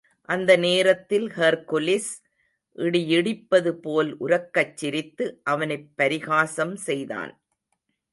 அந்த நேரத்தில் ஹெர்க்குலிஸ், இடியிடிப்பது போல் உரக்கச் சிரித்து, அவனைப் பரிகாசம் செய்தான்.